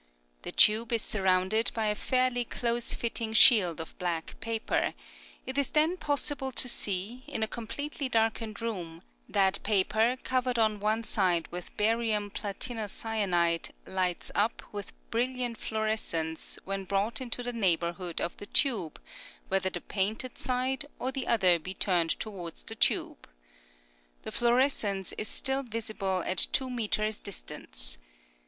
The tube is surrounded by a fairly close fitting shield of black paper; it is then possible to see, in a completely darkened room, that paper covered on one side with barium platinocyanide lights up with brilliant fluorescence when brought into the neighborhood of the tube, whether the painted side or the other be turned towards the tube. The fluorescence is still visible at two metres distance.